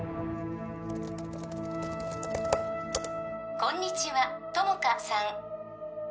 こんにちは友果さん